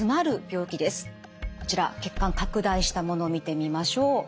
こちら血管拡大したもの見てみましょう。